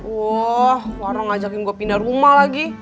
wah warno ngajakin gua pindah rumah lagi